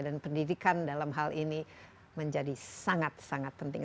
dan pendidikan dalam hal ini menjadi sangat sangat penting